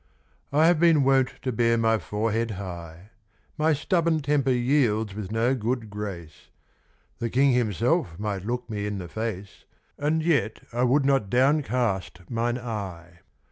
I have been wont to bear my forehead high My stubborn temper yields with no good grace. The king himself might look me in the face, And yet I would not downward cast mine eye.